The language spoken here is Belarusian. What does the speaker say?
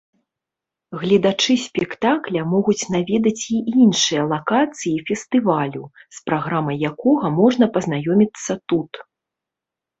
Гледачы спектакля могуць наведаць і іншыя лакацыі фестывалю, з праграмай якога можна пазнаёміцца тут.